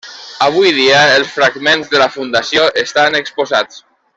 Avui dia, els fragments de la fundació estan exposats.